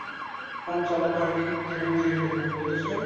Phone চালু হওয়ার আগেই তাকে মেরে ফেল, বুঝেছ?